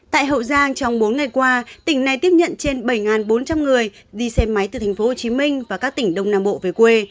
tại hậu giang trong bốn ngày qua tỉnh này tiếp nhận trên bảy bốn trăm linh người đi xe máy từ tp hcm và các tỉnh đông nam bộ về quê